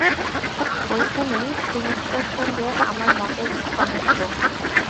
ঐখানেই সুনেত্রার সঙ্গে আমার মতের অনৈক্য।